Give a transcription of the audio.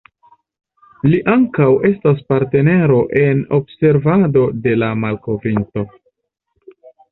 Li ankaŭ estas partnero en observado de la malkovrinto.